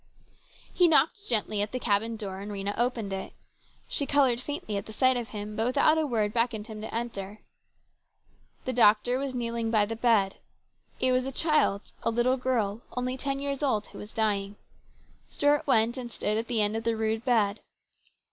He knocked gently at the cabin door, and Rhena opened it. She coloured faintly at sight of him, but without a word beckoned him to enter. The doctor was kneeling by the bed. It was a child, a little girl, only ten years old, who was dying. Stuart went and stood at the end of the rude bed.